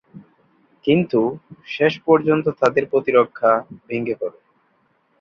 কিন্তু শেষ পর্যন্ত তাদের প্রতিরক্ষা ভেঙে পড়ে।